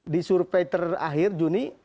di survei terakhir juni